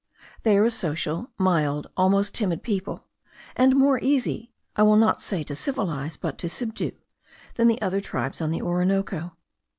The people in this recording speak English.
They are a social, mild, almost timid people; and more easy, I will not say to civilize, but to subdue, than the other tribes on the Orinoco.